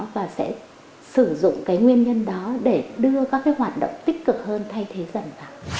và sẽ sử dụng cái nguyên nhân đó để đưa các cái hoạt động tích cực hơn thay thế dần vào